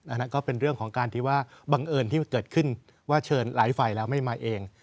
อันนั้นก็เป็นเรื่องของการที่ว่าบังเอิญที่เกิดขึ้นว่าเชิญไลฟ์ไฟแล้วไม่มาเอง